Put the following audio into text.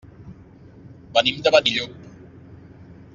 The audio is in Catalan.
Venim de Benillup.